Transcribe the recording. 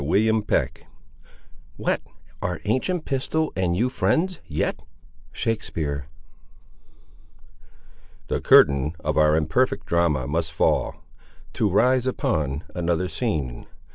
CHAPTER XXV What, are ancient Pistol and you friends, yet? —Shakespeare. The curtain of our imperfect drama must fall, to rise upon another scene.